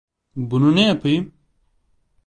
Bunu ne yapayım?